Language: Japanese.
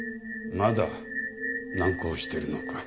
まだ難航してるのか？